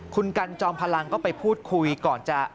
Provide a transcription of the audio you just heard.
คุณกันจอมพลังก็ไปพูดคุยก่อนจะ